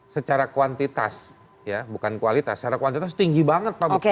secara kuantitas ya bukan kualitas secara kuantitas tinggi banget pak